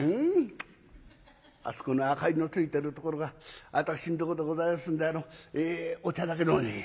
「あそこの赤いのついてるところが私のとこでございますんでお茶だけでも」。